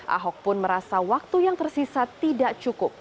ahok pun merasa waktu yang tersisa tidak cukup